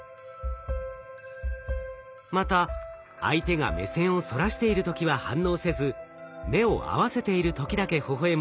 また相手が目線をそらしている時は反応せず目を合わせている時だけほほえむと社会性が高いと判断されます。